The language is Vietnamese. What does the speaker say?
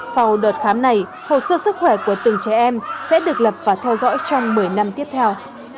sau đợt khám này hồ sơ sức khỏe của từng trẻ em sẽ được lập và theo dõi trong một mươi năm tiếp theo